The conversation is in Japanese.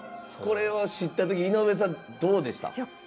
これを知ったとき、井上さんどうでした？